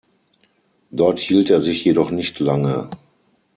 Dort hielt er sich jedoch nicht lange.